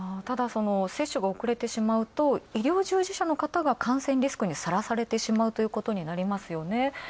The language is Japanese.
ただ接種が遅れてしまうと、医療重症者が、感染リスクにさらされてしまうということになる。